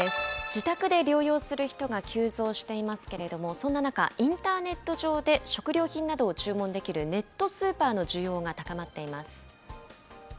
自宅で療養する人が急増していますけれども、そんな中、インターネット上で食料品などを注文できるネットスーパーの需要が高まっています。